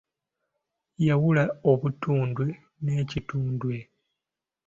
Yawula obutundwe n'ekitundwe?